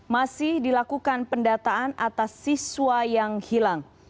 masih dilakukan pendataan atas siswa yang hilang